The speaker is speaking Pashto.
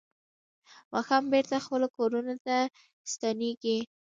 ماښام بېرته خپلو کورونو ته ستنېږي.